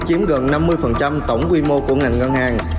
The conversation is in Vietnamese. chiếm gần năm mươi tổng quy mô của ngành ngân hàng